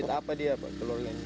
terjepit apa dia pak